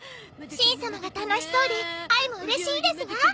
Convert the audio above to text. しん様が楽しそうであいもうれしいですわ。